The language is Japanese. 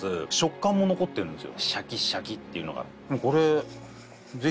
シャキシャキっていうのが。